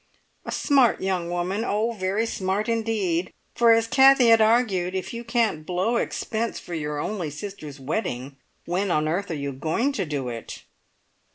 A smart young woman oh, very smart indeed, for as Kathie had argued, if you can't "blow" expense for your only sister's wedding, when on earth are you going to do it?